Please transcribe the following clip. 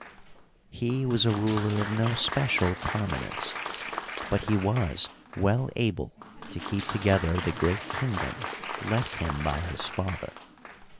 He was a ruler of no special prominence, but he was well able to keep together the great kingdom left him by his father.